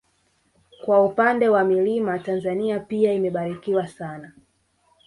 Kwa upande wa milima Tanzania pia imebarikiwa sana